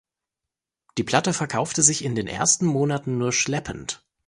Die Platte verkaufte sich in den ersten Monaten nur schleppend.